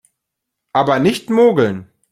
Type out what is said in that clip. Aber nicht mogeln!